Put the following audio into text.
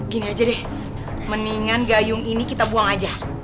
gini aja deh mendingan gayung ini kita buang aja